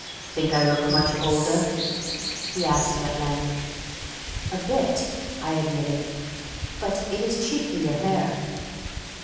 "Think I look much older?" he asked at length. "A bit," I admitted. "But it is chiefly your hair."